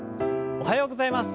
おはようございます。